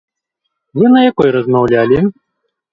Вы на якой размаўлялі?